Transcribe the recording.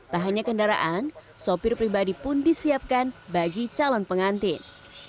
tak hanya kendaraan sopir pribadi pun disiapkan bagi calon pengantin